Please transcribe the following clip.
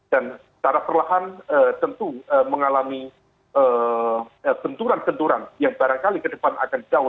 dan secara perlahan tentu mengalami tenturan tenturan yang barangkali ke depan akan jauh